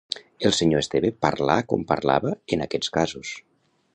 El senyor Esteve parlà com parlava en aquests casos